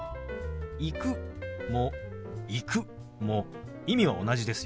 「行く」も「行く」も意味は同じですよ。